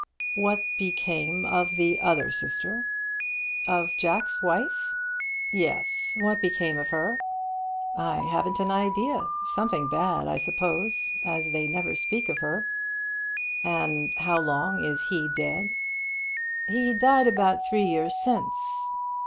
"What became of the other sister?" "Of Jack's wife?" "Yes. What became of her?" "I haven't an idea. Something bad, I suppose, as they never speak of her." "And how long is he dead?" "He died about three years since.